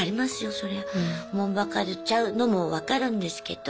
そりゃおもんぱかっちゃうのも分かるんですけど。